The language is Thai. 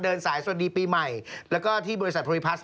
เดินสายสวัสดีปีใหม่แล้วก็ที่บริษัทโพรีพัศน์